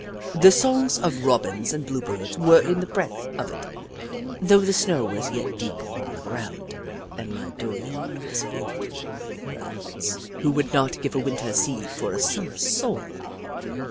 The songs of Robins and Bluebirds were in the breath of it, though the snow was yet deep upon the ground, and my dooryard was filled with hungry Birds. " Who would not give a Winter seed for a Summer song